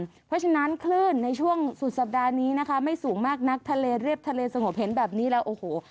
เพราะฉะนั้นคลื่นในช่วงสุดสัปดาห์นี้นะคะไม่สูงมากนักทะเลเรียบทะเลสงบเห็นแบบนี้แล้วโอ้โห